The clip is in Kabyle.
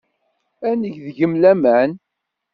Ad neg deg-m laman.